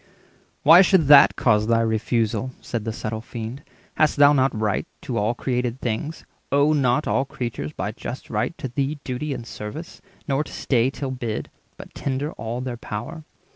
"Why should that Cause thy refusal?" said the subtle Fiend. "Hast thou not right to all created things? Owe not all creatures, by just right, to thee Duty and service, nor to stay till bid, But tender all their power?